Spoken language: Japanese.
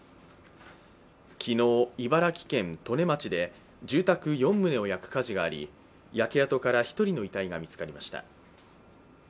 昨日、茨城県利根町で住宅４棟を焼く火事があり焼け跡から１人の遺体が見つかりました。